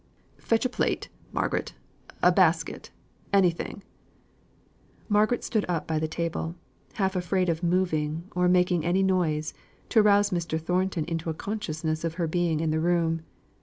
"Fetch a plate, Margaret a basket anything." Margaret stood up by the table, half afraid of moving or making any noise to arouse Mr. Thornton into a consciousness of her being in the room.